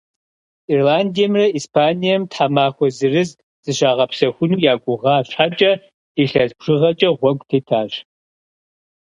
Ирландием, Испанием тхьэмахуэ зырыз зыщагъэпсэхуну я гугъа щхьэкӏэ, илъэс бжыгъэкӏэ гъуэгу тетащ.